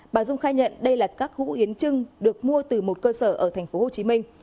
bà dung khai nhận đây là các hũ yến trưng được mua từ một cơ sở ở thành phố hồ chí minh